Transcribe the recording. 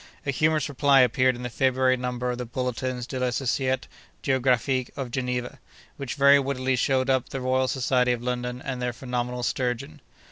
A humorous reply appeared in the February number of the Bulletins de la Société Géographique of Geneva, which very wittily showed up the Royal Society of London and their phenomenal sturgeon.